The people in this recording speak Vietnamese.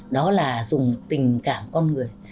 đó là dùng tình cảm con người